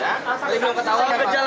saya belum tahu